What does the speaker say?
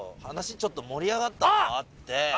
話ちょっと盛り上がったのがあって。